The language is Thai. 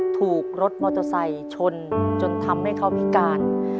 ถูกรถมอเตอร์ไซค์ชนจนทำให้เขาพิการ